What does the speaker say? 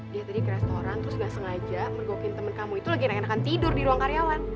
dia tadi ke restoran terus gak sengaja ngegokin temen kamu itu lagi enak enakan tidur di ruang karyawan